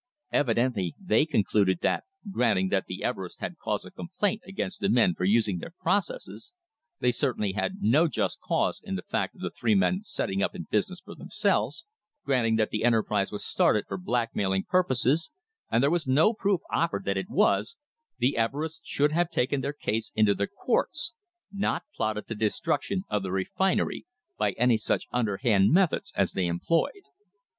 Evidently they concluded that, granting that the Everests had cause of complaint against the men for using their processes they certainly had no just cause in the fact of the three men setting up in business for themselves granting that the enterprise was started for blackmailing pur poses and there was no proof offered that it was the Everests should have taken their case into the courts not plotted the destruction of the refinery by any such underhand methods as they employed.